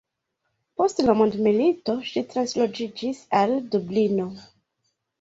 Post la mondmilito, ŝi transloĝiĝis al Dublino.